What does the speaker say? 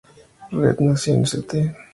Reed nació en St.